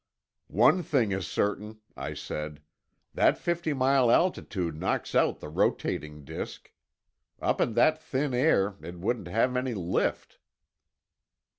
"One thing is certain," I said. "That fifty mile altitude knocks out the rotating disk. Up in that thin air it wouldn't have any lift."